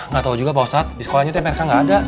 gatau juga pak ustadz di sekolahnya temennya gak ada